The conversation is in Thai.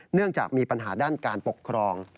เนื่องจากมีปัญหาด้านการปกครอง